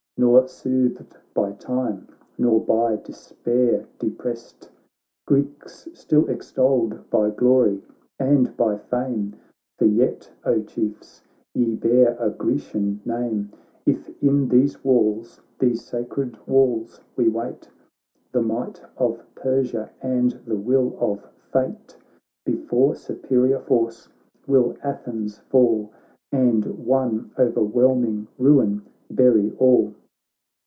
Nor soothed by time, nor by despair deprest. Greeks still extolled by glory and by fame — For yet, O Chiefs I ye bear a Grecian name — If in these walls, these sacred walls, we wait The might of Persia and the will of fate. Before superior force will Athens fall And one o'erwhelming ruin bury all.